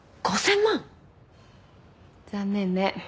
残念ね。